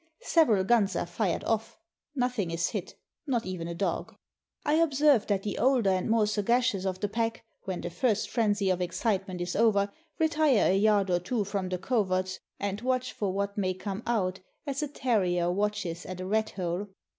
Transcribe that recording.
Several guns are fired off. Nothing is hit, not even a dog. I observe that the older and more sagacious of the pack, when the first frenzy of excitement is over, retire a yard or two from the coverts, and watch for what may come out, as a ter rier watches at a rat hole.